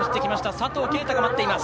佐藤圭汰が待っています。